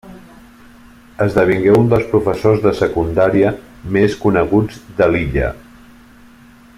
Esdevingué un dels professors de Secundària més coneguts de l'illa.